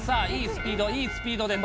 スピードいいスピード